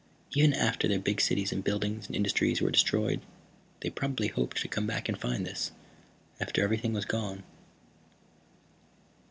Even after their big cities and buildings and industries were destroyed they probably hoped to come back and find this. After everything else was gone."